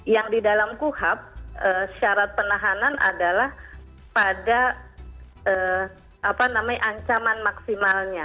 yang di dalam kuhab syarat penahanan adalah pada apa namanya ancaman maksimalnya